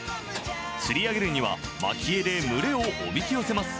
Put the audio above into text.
釣り上げるにはまき餌で群れをおびき寄せます。